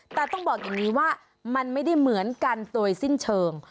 แต่ต้องบอกอย่างนี้ว่ามันไม่ได้เหมือนกันโดยสิ้นเชิง